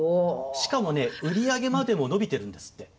しかもね売り上げまでも伸びてるんですって。